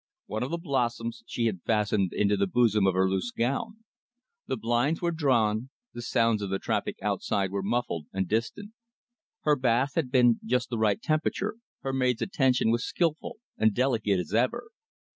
One of the blossoms she had fastened into the bosom of her loose gown. The blinds were drawn, the sounds of the traffic outside were muffled and distant. Her bath had been just the right temperature, her maid's attention was skilful and delicate as ever.